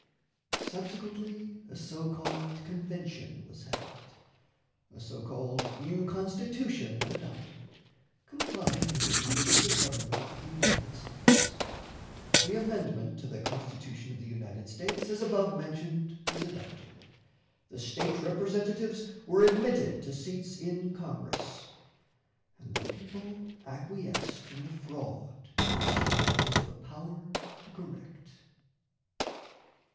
Subsequently, a so called convention was held, a so called new Constitution adopted, complying with the views of the Government of the United States, the amendment to the Constitution of the United States as above mentioned was adopted, the State Representatives were admitted to seats in Congress, and the people acquiesced in the fraud which they had not the power to correct.